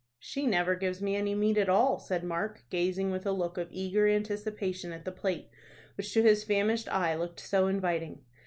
"She never gives me any meat at all," said Mark, gazing with a look of eager anticipation at the plate which to his famished eye looked so inviting.